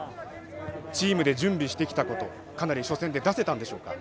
チームで準備してきたことかなり初戦で出せたんでしょうか。